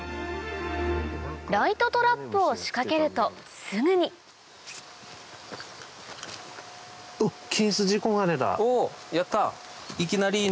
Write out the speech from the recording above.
ライトトラップを仕掛けるとすぐにおやった。